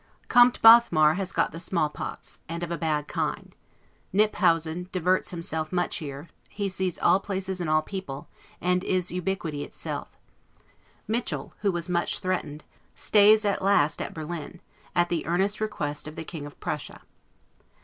Comte Bothmar has got the small pox, and of a bad kind. Kniphausen diverts himself much here; he sees all places and all people, and is ubiquity itself. Mitchel, who was much threatened, stays at last at Berlin, at the earnest request of the King of Prussia.